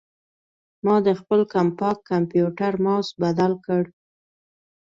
ما د خپل کمپاک کمپیوټر ماؤس بدل کړ.